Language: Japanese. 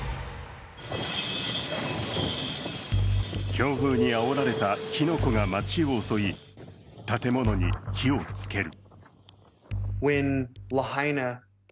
強風にあおられた火の粉が街を襲い、建物に火をつける。